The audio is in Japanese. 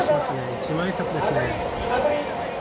一万円札ですね。